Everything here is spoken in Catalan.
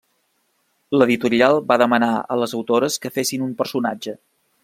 L'editorial va demanar a les autores que fessin un personatge.